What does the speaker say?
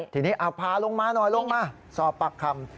ทีนี้เอาพาลงมาหน่อยลงมาสอบปากคำ